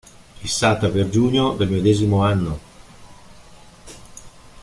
Fissata per Giugno del medesimo anno.